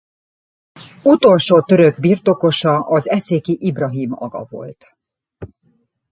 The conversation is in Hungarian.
Utolsó török birtokosa az eszéki Ibrahim aga volt.